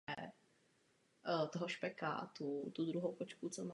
Názory na tento způsob vzdělávání jsou odlišné.